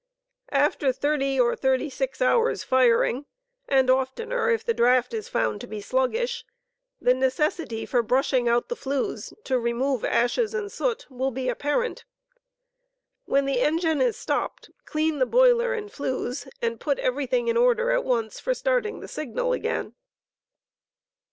After 30 oy 36 hours' firiug (and oftener if the draught is found to be sluggish), the necessity for brushing out the flues, to remove ashes and soot, will be apparent When the engine is stopped, cleau the boiler and flues and put everything in order at once for starting the signal again.